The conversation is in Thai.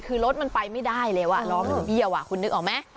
คือรถมันไปไม่ได้แล้วล้อมันเบี้ยวคุณนึกออกไหม